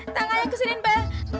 tangannya kesini be